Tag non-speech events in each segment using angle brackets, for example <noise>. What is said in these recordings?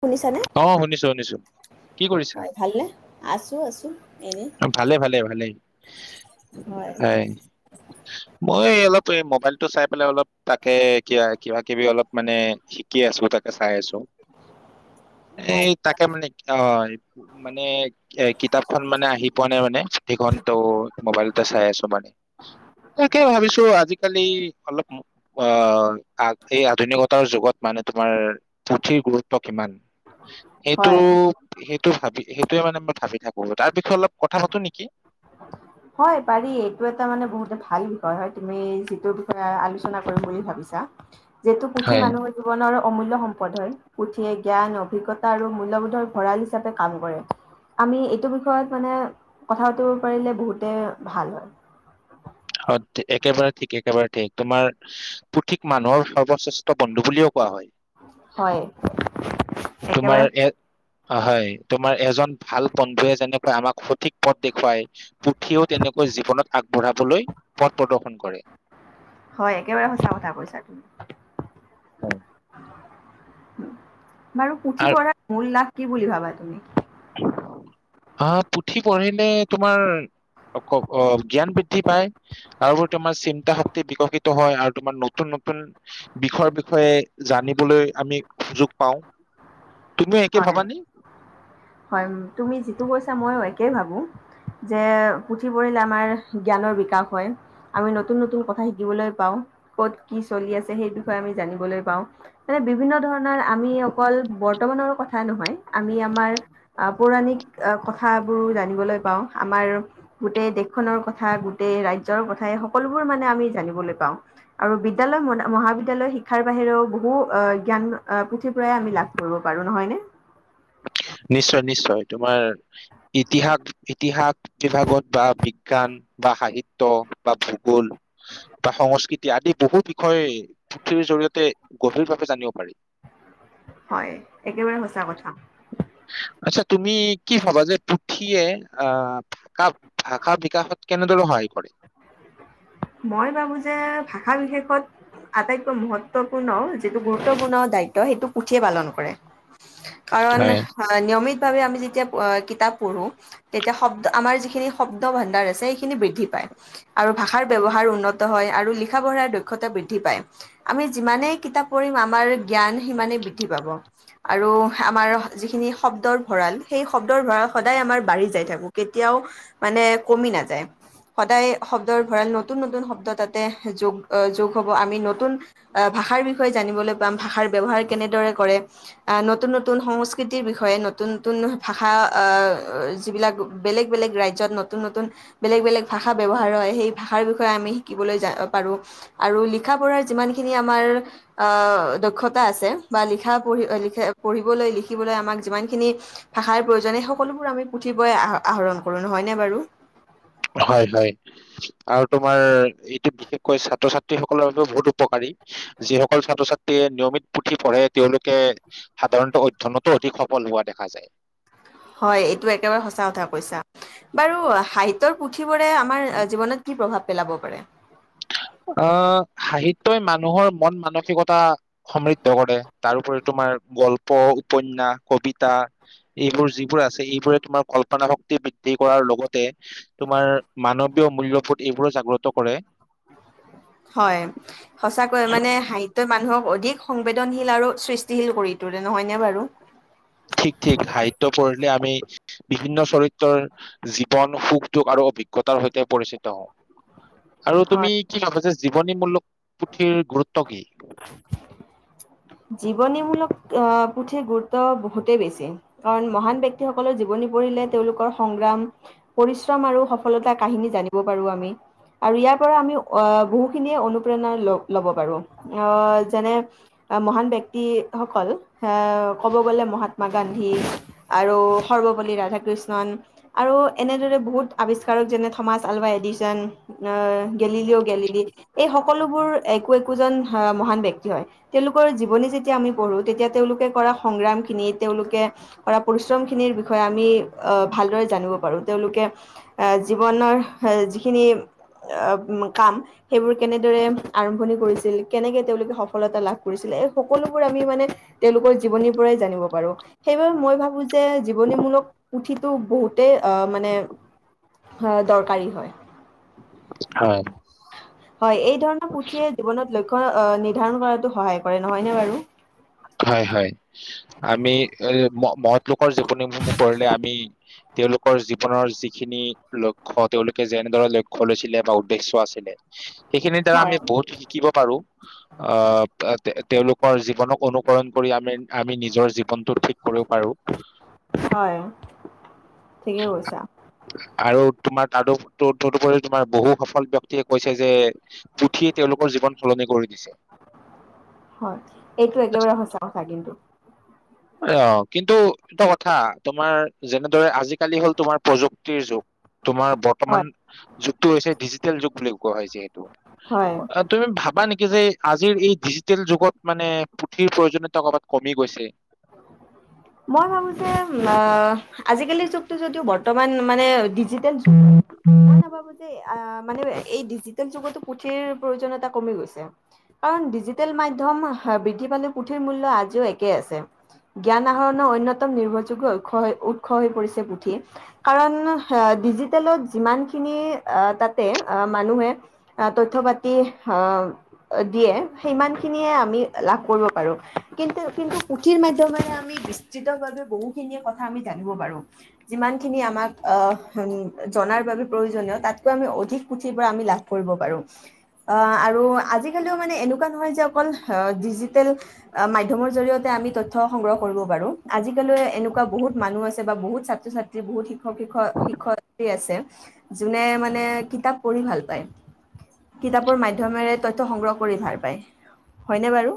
শুনিছা নে? অ শুনিছো শুনিছো কি কৰিছা হয় ভালনে? আছোঁ, আছোঁ এনে। ভালে, ভালে, ভালেই। হয়। মই এ অলপ এই ম'বাইলটো চাই পেলাই অলপ তাকে, কিবা, কিবা-কিবি অলপ মানে সি কি আছোঁ, তাকে চাই আছোঁ। এই আ- তাকে মানে কি অহ, মানে এই কিতাপখন মানে আহি পোৱা নাই মানে সেইখন ত', ম'বাইলতে চাই আছোঁ মানে। তাকে ভাবিছোঁ আজিকালি অলপ ম অহ, আগ, এই আধুনিকতাৰ যুগত মানে তোমাৰ, পুথিৰ গুৰুত্ব কিমান? সেইটো, হয় সেইটো ভাবি, সেইটোৱে মানে মই ভাবি থাকোঁ। তাৰ বিষয়ে অলপ কথা পাতোঁ নেকি? হয় পাৰি। এইটো এটা মানে বহুতে ভাল বিষয় হয়, তুমি যিটো ধৰা আলোচনা কৰিম বুলি ভাবিছা, যেতু পুথি হয় মানুহ জীৱনৰ অমূল্য সম্পদ হয়। পুথিয়ে জ্ঞান, অভিজ্ঞতা আৰু মূল্যবোধৰ ভঁৰাল হিচাপে কাম কৰে। আমি এইটো বিষয়ত মানে কথা পাতিব পাৰিলে বহুতে ভাল হয়। হত, একেবাৰে ঠিকে, একেবাৰে ঠিক, তোমাৰ পুথিক মানুহৰ সৰ্বশ্ৰেষ্ঠ বন্ধু বুলিও কোৱা হয়। হয়। একেবাৰে তোমাৰ এ অ', হয়। তোমাৰ এজন ভাল বন্ধুৱে যেনেকৈ আমাক সঠিক পথ দেখুৱায়। পুথিয়েও তেনেকৈ জীৱনত আগবঢ়াবলৈ, পথ প্ৰদৰ্শন কৰে। হয়, একেবাৰে সঁচা কথা কৈছা তুমি। উম। বাৰু পুথি আৰু পঢ়াত মূল লাভ কি বুলি ভাবা তুমি? আ, পুথি পঢ়িলে তোমাৰ অক, অ', জ্ঞান বৃদ্ধি পায়। তাৰোপৰি তোমাৰ চিন্তাশক্তি বিকশিত হয় আৰু তোমাৰ নতুন নতুন বিষয় বিষয়ে জানিবলৈ আমি সুযোগ পাওঁ। তুমিও একে হয় ভাবানে? হয় ম তুমি যিটো কৈছা ময়ো একে ভাবোঁ। যে পুথি পঢ়িলে আমাৰ জ্ঞানৰ বিকাশ হয়। আমি নতুন নতুন কথা শিকিবলৈ পাওঁ, ক'ত কি চলি আছে সেই বিষয়ে আমি জানিবলৈ পাওঁ। মানে, বিভিন্ন ধৰণৰ আমি অকল বৰ্তমানৰ কথা নহয়, আমি আমাৰ আহ, পৌৰাণিক আহ, কথাবোৰ জানিবলৈ পাওঁ আমাৰ গোটেই দেশখনৰ কথা, গোটেই ৰাজ্যৰ কথা, সকলোবোৰ মানে আমি জানিবলৈ পাওঁ। আৰু বিদ্যালয়- ম মহাবিদ্যালয় শিক্ষাৰ বাহিৰেও, বহু অ' জ্ঞান পুথিৰ পৰাই আমি লাভ কৰিব পাৰোঁ। নহয়নে? নিশ্চয়, নিশ্চয়, তোমাৰ ইতিহাস, ইতিহাস কি ভাগত বা বিজ্ঞান বা সাহিত্য বা ভূগোল বা সংস্কৃতি আদি বহু বিষয়ে পুথিৰ জৰিয়তেই গভীৰভাৱে জানিব পাৰি। হয়, একেবাৰে সঁচা কথা। আচ্ছা, তুমি কি ভাবা যে পুথিয়ে আহ, কাক ভাষা বিকাশত কেনেদৰে সহায় কৰে? মই ভাবোঁ যে ভাষা বিশেষত আটাইতকৈ মহত্বপূৰ্ণ, যিটো গুৰুত্বপূৰ্ণ দায়িত্ব সেইটো পুথিয়েই পালন কৰে। কাৰণ হয় আ নিয়মিতভাৱে আমি যেতিয়া প কিতাপ পঢ়োঁ তেতিয়া শব্দ, আমাৰ যিখিনি শব্দ ভাণ্ডাৰ আছে, সেইখিনি বৃদ্ধি পায়। আৰু ভাষাৰ ব্যৱহাৰ উন্নত হয় আৰু লিখা পঢ়াৰ দক্ষতা বৃদ্ধি পায়। আমি যিমানেই কিতাপ পঢ়িম, আমাৰ জ্ঞান সিমানেই বৃদ্ধি পাব। আৰু আমাৰ যিখিনি শব্দৰ ভঁৰাল, সেই শব্দৰ ভঁৰাল সদায় আমাৰ বাঢ়ি যাই থাকিব, কেতিয়াও মানে কমি নাযায়, সদায় শব্দৰ ভঁৰাল নতুন নতুন শব্দ তাতে যোগ যোগ হ'ব, আমি নতুন আহ, ভাষাৰ বিষয়ে জানিবলৈ পাম, ভাষাৰ ব্যৱহাৰ কেনেদৰে কৰে? আহ, নতুন - নতুন সংস্কৃতিৰ বিষয়ে, নতুন - নতুন ভাষা আহ যিবিলাক বেলেগ বেলেগ ৰাজ্যত নতুন নতুন বেলেগ বেলেগ ভাষা ব্যৱহাৰ হয় সেই ভাষাৰ বিষয়ে আমি শিকিবলৈ যা পাৰোঁ। আৰু লিখা-পঢ়াৰ যিমানখিনি আমাৰ আহ দক্ষতা আছে বা লিখা-পঢ়ি আ লিখে পঢ়িবলৈ, লিখিবলৈ আমাক যিমানখিনি ভাষাৰ প্ৰয়োজন এ সকলোবোৰ আমি পুথিবোৰৰ আহ আহৰণ কৰোঁ, নহয় নে বাৰু? হয়, হয়। আৰু তোমাৰ এইটো বিশেষকৈ ছাত্ৰ-ছাত্ৰীসকলৰ বাবে বহুত উপকাৰী। যিসকল ছাত্ৰ- ছাত্ৰীয়ে নিয়মিত পুথি পঢ়ে তেওঁলোকে সাধাৰণতে অধ্যয়নতো অধিক সফল হোৱা দেখা যায়। হয়, এইটো একেবাৰে সঁচা কথা কৈছা। বাৰু সাহিত্যৰ পুথিবোৰে আমাৰ জীৱনত কি প্ৰভাৱ পেলাব পাৰে? আহ, সাহিত্যই মানুহৰ মন-মানসিকতা সমৃদ্ধ কৰে তাৰোপৰি তোমাৰ গল্প, উপন্যাস, কবিতা এইবোৰ যিবোৰ আছে, এইবোৰে তোমাৰ কল্পনা শক্তি বৃদ্ধি কৰাৰ লগতে তোমাৰ মানৱীয় মূল্যৰ ওপৰত এইবোৰো জাগ্ৰত কৰে। হয়, সঁচাকৈ মানে সাহিত্যই মানুহক অধিক সংবেদনশীল আৰু সৃষ্টিশীল কৰি তোলে, নহয়নে বাৰু? ঠিক, ঠিক, সাহিত্য পঢ়িলে আমি বিভিন্ন চৰিত্ৰৰ জীৱন, সুখ-দুখ আৰু অভিজ্ঞতাৰ সৈতে পৰিচিত হওঁ। আৰু হয় তুমি কি ভাবা, যে জীৱনীমূলক পুথিৰ গুৰুত্ব কি? জীৱনীমূলক আহ পুথিৰ গুৰুত্ব বহুতেই বেছি। কাৰণ মহান ব্যক্তিসকলৰ জীৱনী পঢ়িলে তেওঁলোকৰ সংগ্ৰাম পৰিশ্ৰম আৰু সফলতা কাহিনী জানিব পাৰোঁ আমি। আৰু ইয়াৰ পৰা আমি আহ বহুখিনিয়ে অনুপ্ৰেৰণা ল ল'ব পাৰোঁ, আহ যেনে আ মহান ব্যক্তিসকল আঁহ ক'ব গ'লে মহাত্মা গান্ধী আৰু সৰ্বপল্লী ৰাধাকৃষ্ণন আৰু এনেদৰে বহুত আৱিষ্কাৰক, যেনে থমাচ আলভা এডিশন আহ গেলিলিঅ গেলিলি এই সকলোবোৰ একো একোজন মহান ব্যক্তি হয়। তেওঁলোকৰ জীৱনী যেতিয়া আমি পঢ়ো তেতিয়া তেওঁলোকে কৰা সংগ্ৰাম খিনি তেওঁলোকে কৰা পৰিশ্ৰম খিনিৰ বিষয়ে আমি আহ ভালদৰে জানিব পাৰো। তেওঁলোকে এ জীৱনৰ যিখিনি অ কাম সেইবোৰ কেনেদৰে আৰম্ভণি কৰিছিল কেনেকে তেওঁলোকে সফলতা লাভ কৰিছিলে। এই সকলোবোৰ আমি মানে তেওঁলোকৰ জীৱনীৰ পৰাই জানিব পাৰো। সেইবাবে মই ভাবো যে জীৱনীমূলক পুথিটো বহুতেই আহ মানে হয় দৰকাৰী হয়। হয় হয় এই ধৰণৰ পুথিয়ে জীৱনত লক্ষ্য নিৰ্ধাৰণ কৰাতো সহায় কৰে নহয়নে বাৰু? হয় হয় আমি মহৎ লোকৰ জীৱনীসমূহ পৰিলে আমি তেওঁলোকৰ জীৱনৰ যিখিনি লক্ষ্য তেওঁলোকে যেনেদৰে লক্ষ্য লৈছিলে বা উদ্দেশ্য আছিলে <inaudible> সেইখিনিৰ দ্বাৰা হয় আমি বহুত শিকিব পাৰো, আহ তেওঁলোকৰ জীৱনক অনু সৰণ কৰি আমি আমি নিজৰ জীৱনটো ঠিক কৰিব পাৰো। হয় ঠিকে কৈছা। আৰু তোমাৰ তাৰো তদুপৰিও তোমাৰ বহু সফল ব্যক্তিয়ে কৈছে যে পুথিয়ে তেওঁলোকৰ জীৱন সলনি কৰি দিছে। হয় এইটো একেবাৰে সঁচা কথা কিন্তু। অ কিন্তু এইটো কথা তোমাৰ যেনেদৰে আজিকালি হ'ল তোমাৰ প্ৰযুক্তিৰ যুগ তোমাৰ হয় বৰ্তমান যুগটো হৈছে ডিজিটেল যুগ বুলি কোৱা হয় হয় যিহেতু তুমি ভাবা নেকি যে আজিৰ এই ডিজিটেল যুগত মানে পুথিৰ প্ৰয়োজনীয়তা কবাত কমি গৈছে? মই ভাবো যে অ আজিকালিৰ যুগটো যদিও বৰ্তমান মানে ডিজিটেল যুগ <unintelligible> যে আ মানে এই ডিজিটেল যুগতো পুথিৰ প্ৰয়োজনীতা কমি গৈছে। কাৰণ ডিজিটেল মাধ্যম বৃদ্ধি পালে পুথিৰ মূল্য আজিও একে আছে। জ্ঞান <unintelligible> অন্যতম নিৰ্ভৰযোগ্য উৎস উৎস হৈ পৰিছে পুথি। কাৰণ ডিজিটেলত যিমানখিনি তাতে মানুহে আ তথ্য পাতি হ দিয়ে সিমান খিনিয়ে আমি লাভ কৰিব পাৰো, কিন্তু কিন্তু পুথিৰ মাধ্যমেৰে আমি বিস্তৃতভাৱে বহুখিনিয়েই কথা আমি জানিব পাৰো। যিমানখিনি আমাক আহ জনাৰ বাবে প্ৰয়োজনীয় তাতকৈ আমি অধিক পুথিৰ পৰা আমি লাভ কৰিব পাৰো। আহ আৰু আজিকালিও মানে এনেকুৱা নহয় যে অকল ডিজিটেল মাধ্যমৰ জৰিয়তে আমি তথ্য সংগ্ৰহ কৰিব পাৰো। আজিকালি এনেকুৱা বহুত মানুহ আছে বা বহুত ছাত্ৰ-ছাত্ৰী বহুত শিক্ষক শিক্ষ শিক্ষ আছে যোনে মানে কিতাপ পঢ়ি ভাল পায়। কিতাপৰ মাধ্যমেৰে তথ্য সংগ্ৰহ কৰি ভাল পায়, হয়নে বাৰু?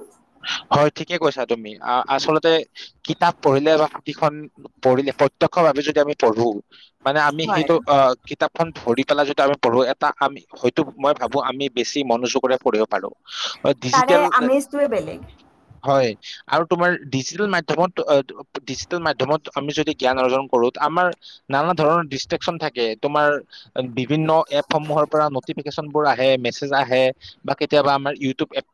হয় ঠিকে কৈছা তুমি আ-আচলতে কিতাপ পঢ়িলে বা পুথিখন পঢ়িলে প্ৰত্যক্ষ ভাৱে যদি আমি পঢ়োঁ মানে আমি হয় সেইটো অ কিতাপখন ধৰি পেলাই যদি আমি পঢ়ো, এটা আমি হয়তো মই ভাবো আমি বেছি মনোযোগৰে পঢ়িব পাৰো। তাৰে ডিজিটেল আমেজটোৱে বেলেগ। হয় আৰু তোমাৰ ডিজিটেল মাধ্যমত ডিজিটেল মাধ্যমত আমি যদি জ্ঞান অৰ্জন কৰো আমাৰ নানা ধৰণৰ ডিষ্ট্ৰেকশচন থাকে তোমাৰ বিভিন্ন এপসমূহৰ পৰা নটিফিকেশচন বোৰ আহে মেছেজ আহে বা কেতিয়াবা আমাৰ ইউটিউব এপ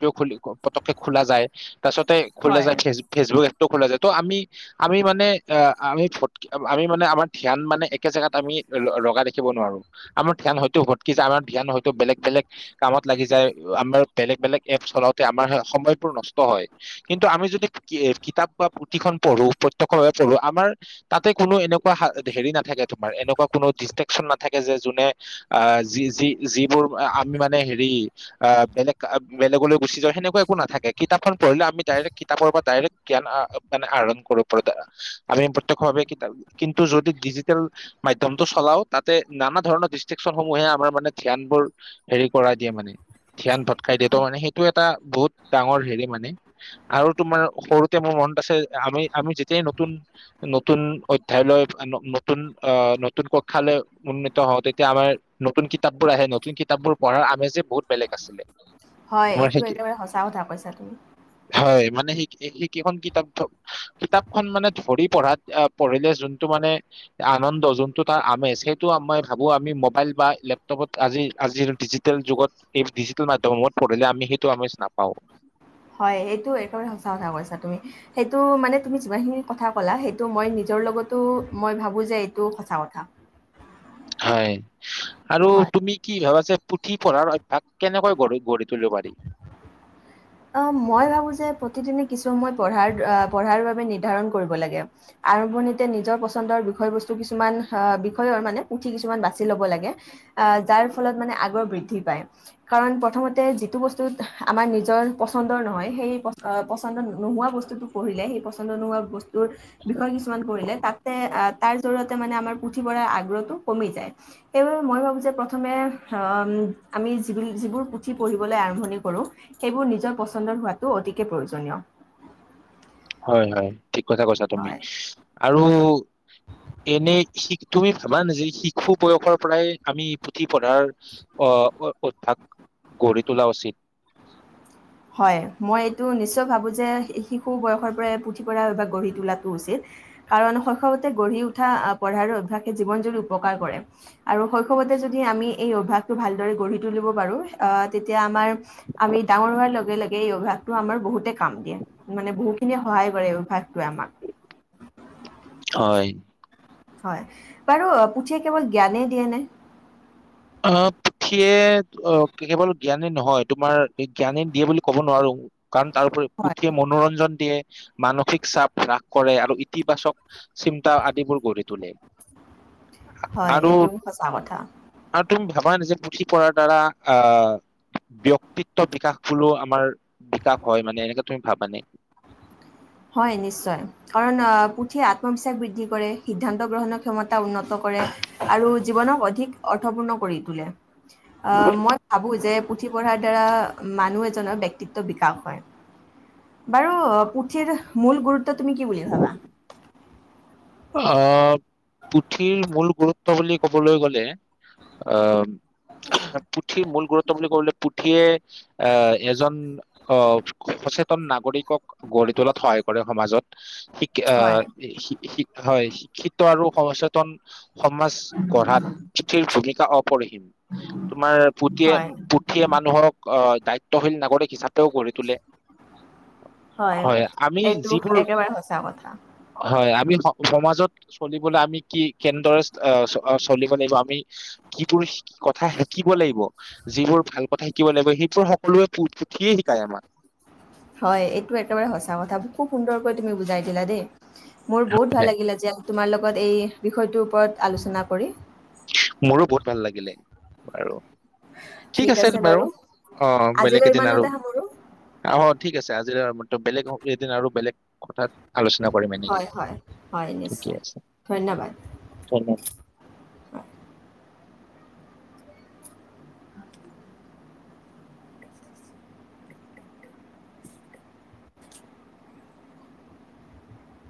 ও পটককে খোলা যায় তাৰ পাছতে খোলা হয় যায় ফেচবুক ফেচবুক এপটো খোলা যায় ত আমি আমি মানে আমি আমি মানে আমাৰ ধ্যান মানে একে জেগাত আমি লগা ৰাখিব নোৱাৰো। আমাৰ ধ্যান হয়তো ভটকি যায় আমাৰ ধ্যান হয়তো বেলেগ বেলেগ কামত লাগি যায়, আমাৰ বেলেগ বেলেগ এপ চলাওঁতে আমাৰ সময়বোৰ নষ্ট হয়। কিন্তু আমি যদি কি-কিতাপ বা পুথিখন পঢ়ো প্ৰত্যয়ক্ষভাৱে পঢ়ো, আমাৰ তাতে কোনো এনেকুৱা হা হেৰি নাথাকে তোমাৰ, এনেকুৱা কোনো দিছট্ৰেকচন নাথাকে যে, যোনে আহ যি, যি-যিবোৰ, আমি মানে হেৰি আ বেলেগ, আ বেলেগলৈ গুচি যায়, সেনেকুৱা একো নাথাকে, কিতাপখন পঢ়িলে আমি ডাইৰেক্ট কিতাপৰ পৰা ডাইৰেক্ট জ্ঞান আহ মানে আহৰণ কৰো পৰা আমি প্ৰত্যক্ষ ভাৱে কিতাপ, কিন্তু যদি ডিজিটেল মাধ্যমটো চলাও, তাতে নানা ধৰণৰ ডিষ্ট্ৰিকচনসমূহে আমাৰ মানে ধ্যান বোৰ হেৰি কৰাই দিয়ে মানে, ধ্যান ভটকাই দিয়ে ত' মানে সেইটো এটা বহুত ডাঙৰ হেৰি মানে। আৰু তোমাৰ সৰুতে মোৰ মনত আছে আমি, আমি যেতিয়াই নতুন নতুন অধ্যয়ালৈ ন-নতুন আহ নতুন কক্ষালৈ উন্নীত হওঁ, তেতিয়া আমাৰ নতুন কিতাপবোৰ আহে, নতুন কিতাপবোৰ পঢ়াৰ আমেজে বহুত বেলেগ আছিলে। হয় তোমাৰ সেই এইটো একেবাৰে সঁচা কথা কৈছা তুমি। হয় মানে, সেই সেই কেইখন কিতাপথক কিতাপখন মানে ধৰি পঢ়াত, পঢ়িলে যোনটো মানে আনন্দ, যোনটো তাৰ আমেজ সেইটো মই ভাবোঁ আমি মোবাইল বা লেপটপত আজি, আজিৰ ডিজি টেল যুগত, এই ডিজিটেল মাধ্যমসমূহত পঢ়িলে আমি সেইটো আমেজ নাপাওঁ। হয় সেইটোৱে, একেবাৰে সঁচা কথা কৈছা তুমি। সেইটো মানে তুমি যিমানখিনি কথা ক'লা, সেইটো মই নিজৰ লগতো মই ভাবোঁ যে এইটো সঁচা কথা। হয় আৰু হয়। তুমি কি ভাব আছে, পুথি পঢ়াৰ অভ্যাস কেনেকৈ গঢ়ি গঢ়ি তুলিব পাৰি। অ' মই ভাবোঁ যে প্ৰতিদিনে কিছু সময় পঢ়াৰ আহ পঢ়াৰ বাবে নিৰ্ধাৰণ কৰিব লাগে। আৰম্ভণিতে নিজৰ পচন্দৰ বিষয় বস্তু কিছুমান আহ- বিষয়ৰ মানে পুথি কিছুমান বাছি ল'ব লাগে আহ' যাৰ ফলত মানে আগ্ৰহ বৃদ্ধি পায়। কাৰণ প্ৰথমতে যিটো বস্তুত আমাৰ নিজৰ পচন্দৰ নহয় সেই প-পচন্দ নোহোৱা বস্তুটো পঢ়িলে, সেই পচন্দ নোহোৱা বস্তু টোৰ বিষয় কিছুমান পঢ়িলে তাতে অ' তাৰ জৰিয়তে মানে আমাৰ পুঠি পঢ়া আগ্ৰহটো কমি যায়। সেইবাবে মই ভাবোঁ যে প্ৰথমে আ' আমি যি যিবোৰ পুথি পঢ়িবলৈ আৰম্ভণি কৰোঁ সেইবোৰ নিজৰ পচন্দৰ হোৱাতটো অতিকে প্ৰয়োজনীয়। হয়, হয় ঠিক কথা কৈছা তুমি হয়। আৰু এনে শি, তুমি ভাবা নে যদি শিশু বয়সৰ পৰাই আমি পুথি পঢ়াৰ অ' উদ্ধাৱ গঢ়ি তোলা উচিত। হয়, মই এইটো নিশ্চয় ভাবোঁ যে শিশু বয়সৰ পৰাই পুথি পঁৰা বা গঢ়ি তোলাটো উচিত কাৰণ শৈশৱতে গঢ়ি উঠা আহ' পঢ়াৰো অভ্যাসে জীৱন জুৰি উপকাৰ কৰে। আৰু শৈশৱতে যদি আমি এই অভ্যাসটো ভালদৰে গঢ়ি তুলিব পাৰোঁ, আহ' তেতিয়া আমাৰ আমি ডাঙৰ হোৱাৰ লগে লগে এই অভয়াসটো আমাৰ বহুতে কাম দিয়ে, মানে বহুখিনিয়ে সহায় কৰে এই অভ্যাসটোৱে আমাক। হয়। হয় বাৰু পুঠিয়ে কেৱল জ্ঞানে দিয়ে নে? অ' পুথিয়ে অ' কেৱল জ্ঞানী নহয়, তোমাৰ জ্ঞানী দিয়ে বুলি ক'ব নোৱাৰো। কাৰণ তাৰোপৰি হয়, পুথিয়ে মনোৰঞ্জন দিয়ে, মানসিক চাপ হ্ৰাস কৰে আৰু ইতিবাচক চিন্তা আদিবোৰ গঢ়ি তোলে। হয়, আৰু এইটোও সঁচা কথা। আৰু তুমি ভাবা নিজে পুথি পঢ়াৰ দ্বাৰা আ ব্যয়ক্তিত্ব বিকাশ বুলিও আমাৰ বিকাশ হয় মানে এনেকে তুমি ভাবানে? হয় নিশ্চয়। কাৰণ আহ' পুথিয়ে আত্মবিশ্বাস বৃদ্ধি কৰে, সিদ্ধান্ত গ্ৰহণৰ ক্ষমতা উন্নত কৰে। আৰু জীৱনক অধিক অৰ্থপূৰ্ণ কৰি তোলে। অ মই ভাবো যে পুথি পঢ়াৰ দ্বাৰা মানুহ এজনৰ ব্যয়ক্তিত্ব বিকাশ হয়। বাৰো পুথিৰ এটাৰ মূল গুৰুত্ব তুমি কি বুলি ভাবা? অ পুথিৰ মূল গুৰুত্ব বুলি কবলৈ গ'লে অ- পুথি মূল গুৰুত্ব বুলি কবলে পুথিয়ে আহ এজন অ' সচেতন নাগৰিকক গঢ়ি তোলাত সহায় কৰে সমাজত। আ হয়, শিক্ষা হয় শিক্ষিত আৰু সচেতন সমাজ গঢ়াত পিঠিৰ ভূমিকা অপৰিহীম তোমাৰ পুথিয়ে হয়, পুঠিয়ে মানুহক আহ দায়িত্বশীল নাগৰিক হিচাপে কৰি তোলে হয় আমি এইটো যিবোৰ একেবাৰে সঁচা কথা। হয় আমি স। সমাজত চলিবলে আমি কি কেনেদৰে চলিব লাগিব আমি যিবোৰ কথা শিকিব লাগিব যিবোৰ ভাল কথা কিব নাগিব সেইবোৰ সকলোৱে পুঠিয়েই শিকায় আমাক। হয় এইটো একেবাৰে সঁচা কথা খুব সুন্দৰকৈ তুমি বুজাই দিলা দেই। মোৰ বহুত হে, ভাল লাগিলে যে তোমাৰ লগত এই বিষয়টোৰ ওপৰত আলোচনা কৰি। মোৰো বহুত ভাল লাগিলে আৰু ঠিক আছে বাৰু অ' বেলেগ আজিলৈ এদিন আৰু ইমানতে সামৰো আ ঠিক আছে আজি বেলেগ এদিন আৰু বেলেগ কথাত আলোচনা কৰিম এনেক হয় হয় হয় ঠিকে নিশ্চয় আছে ধন্যবাদ ধন্যবাদ। হয়